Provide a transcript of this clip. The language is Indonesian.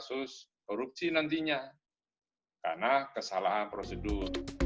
kasus korupsi nantinya karena kesalahan prosedur